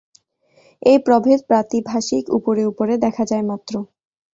এই প্রভেদ প্রাতিভাসিক, উপরে উপরে দেখা যায় মাত্র।